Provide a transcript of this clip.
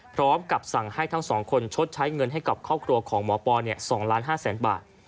พร้อมกับสั่งให้ทั้งสองคนชดใช้เงินให้กับครอบครัวของหมอปอ๒๕๐๐๐๐บาท